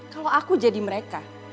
kalau aku jadi mereka